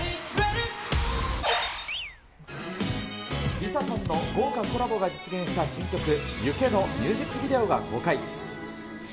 リサさんの豪華コラボが実現した新曲、往けのミュージックビデオが公開。